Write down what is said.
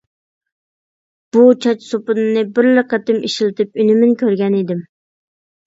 بۇ چاچ سوپۇنىنى بىرلا قېتىم ئىشلىتىپ ئۈنۈمىنى كۆرگەن ئىدىم.